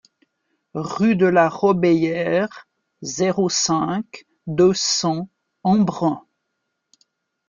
Rue de la Robéyère, zéro cinq, deux cents Embrun